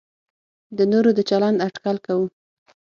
د نورو د چلند اټکل کوو.